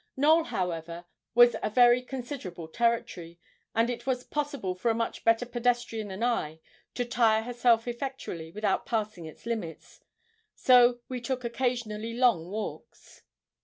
Knowl, however, was a very considerable territory, and it was possible for a much better pedestrian than I to tire herself effectually, without passing its limits. So we took occasionally long walks.